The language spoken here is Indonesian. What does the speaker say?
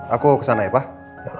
aku kesana ya pak